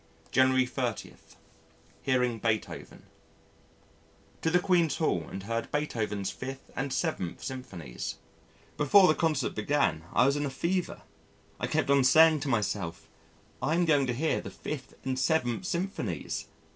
January 30. Hearing Beethoven To the Queen's Hall and heard Beethoven's Fifth and Seventh Symphonies. Before the concert began I was in a fever. I kept on saying to myself, "I am going to hear the Fifth and Seventh Symphonies."